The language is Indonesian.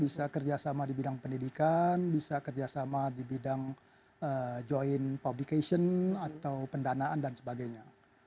bisa kerjasama di bidang pendidikan bisa kerjasama di bidang joint publication atau pendanaan dan sebagainya